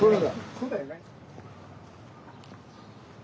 そうだよね。